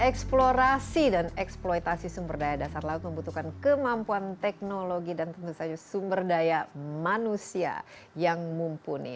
eksplorasi dan eksploitasi sumber daya dasar laut membutuhkan kemampuan teknologi dan tentu saja sumber daya manusia yang mumpuni